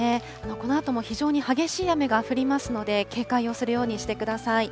このあとも非常に激しい雨が降りますので、警戒をするようにしてください。